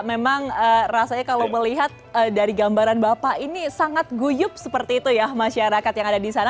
memang rasanya kalau melihat dari gambaran bapak ini sangat guyup seperti itu ya masyarakat yang ada di sana